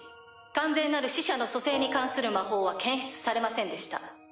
完全なる死者の蘇生に関する魔法は検出されませんでした。